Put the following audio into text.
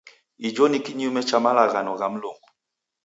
Ijo ni kinyume cha malaghano gha Mlungu.